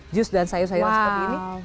jus dan sayur sayuran seperti ini